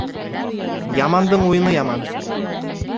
Ямандың уйыны яман